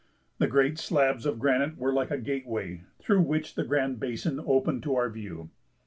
The great slabs of granite were like a gateway through which the Grand Basin opened to our view.